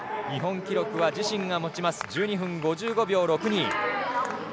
日本記録は自身が持つ１２分５５秒６２。